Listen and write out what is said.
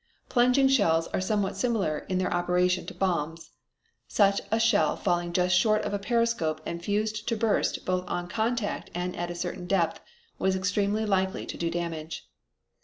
Plunging shells are somewhat similar in their operation to bombs. Such a shell falling just short of a periscope and fused to burst both on contact and at a certain depth was extremely likely to do damage.